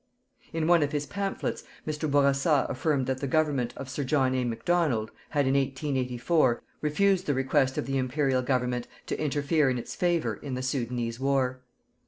In one of his pamphlets, Mr. Bourassa affirmed that the Government of Sir John A. Macdonald had, in 1884, refused the request of the Imperial Government to interfere in its favour in the Soudanese war.